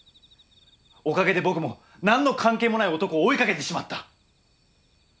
おかげで僕も何の関係もない男を追いかけてしまった！